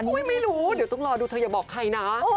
ไม่รู้เดี๋ยวต้องรอดูเธออย่าบอกใครนะ